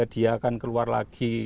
dia akan keluar lagi